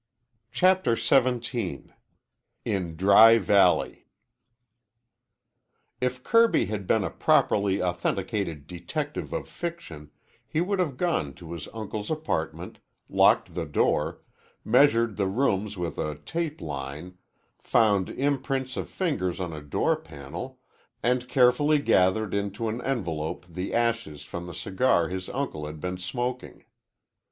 CHAPTER XVII IN DRY VALLEY If Kirby had been a properly authenticated detective of fiction he would have gone to his uncle's apartment, locked the door, measured the rooms with a tape line, found imprints of fingers on a door panel, and carefully gathered into an envelope the ashes from the cigar his uncle had been smoking.